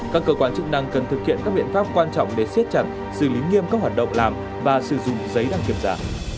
các cơ quan chức năng cần thực hiện các biện pháp quan trọng để siết chặt xử lý nghiêm các hoạt động làm và sử dụng giấy đăng kiểm giả